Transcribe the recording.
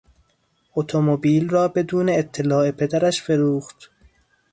اتومبیل را بدون اطلاع پدرش فروخت.